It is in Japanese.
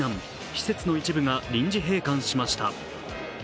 施設の一部が臨時閉館しました。